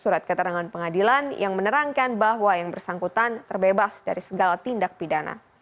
surat keterangan pengadilan yang menerangkan bahwa yang bersangkutan terbebas dari segala tindak pidana